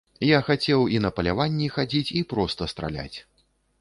Я хацеў і на паляванні хадзіць, і проста страляць.